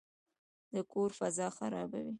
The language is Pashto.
د کور فضا خرابوي.